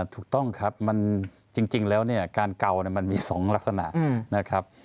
ถูกต้องครับจริงแล้วเนี่ยการเกามันมี๒ลักษณะนะครับ